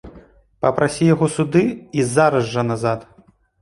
Папрасі яго сюды і зараз жа назад!